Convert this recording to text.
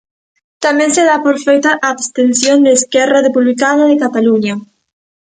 Tamén se da por feita a abstención de Esquerra Republicana de Cataluña.